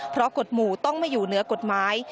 เพราะกฎหมู่ต้องไม่อยู่เหนือกฎหมาย